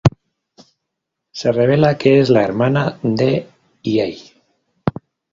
Se revela que es la hermana de Hiei.